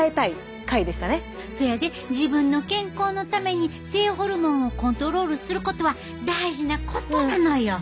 そやで自分の健康のために性ホルモンをコントロールすることは大事なことなのよ。